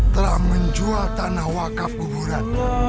telah menjual tanah wakaf kuburan